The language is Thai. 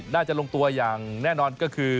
น่าจะลงตัวอย่างแน่นอนก็คือ